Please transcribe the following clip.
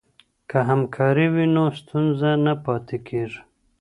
که همکاري وي نو ستونزه نه پاتې کیږي.